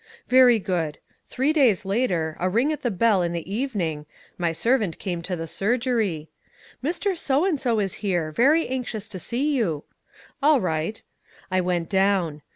"Very good. Three days later a ring at the bell in the evening my servant came to the surgery. 'Mr. So and So is here. Very anxious to see you.' 'All right!' I went down.